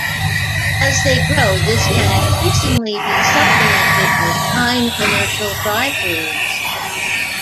As they grow, this can increasingly be supplemented with fine commercial fry foods.